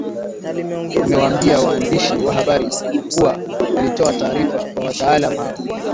amewambia waandishi wa habari kuwa walitoa taarifa kwa wataalam hao